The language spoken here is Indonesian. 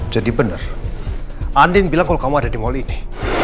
jadi bener andin bilang kalau kamu ada di mall ini